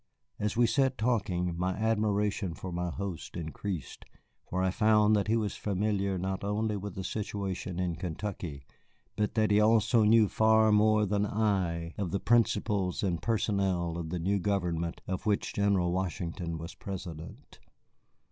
As we sat talking, my admiration for my host increased, for I found that he was familiar not only with the situation in Kentucky, but that he also knew far more than I of the principles and personnel of the new government of which General Washington was President.